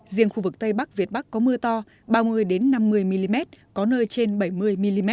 riêng khu vực tây bắc việt bắc có mưa to ba mươi năm mươi mm có nơi trên bảy mươi mm